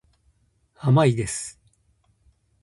甘いです。